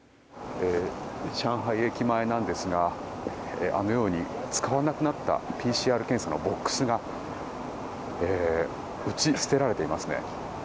上海駅前なんですがあのように使わなくなったＰＣＲ検査のボックスが打ち捨てられていますね。